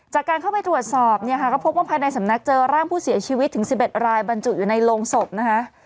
จากการเข้าไปตรวจสอบเนี่ยค่ะก็พบว่าภายในสำนักเจอร่างผู้เสียชีวิตถึง๑๑รายบรรจุอยู่ในโรงศพนะคะ